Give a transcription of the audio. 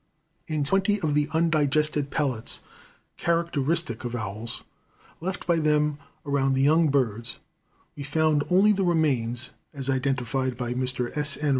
In twenty of the undigested pellets, characteristic of owls, left by them around the young birds, we found only the remains, as identified by Mr. S. N.